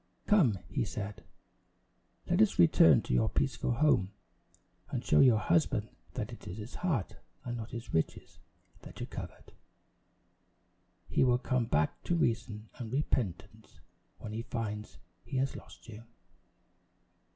"Come," said he, "let us return to your peaceful home, and show your husband that it is his heart and not his riches that you covet. He will come back to reason and repentance when he finds he has lost you."